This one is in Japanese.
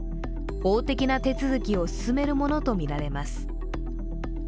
法的な手続きを進めるものとみられます。